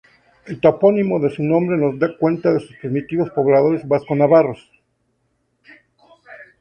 El topónimo de su nombre nos da cuenta de sus primitivos pobladores vasco navarros.